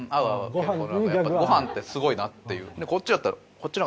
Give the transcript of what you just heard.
結構なんかやっぱご飯ってすごいなっていう。